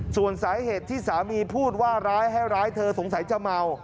ส่วนสาเหตุที่สามีพูดว่าร้ายให้ร้ายเธอสงสัยจะเมา